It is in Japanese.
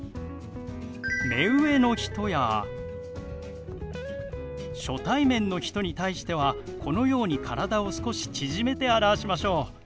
目上の人や初対面の人に対してはこのように体を少し縮めて表しましょう。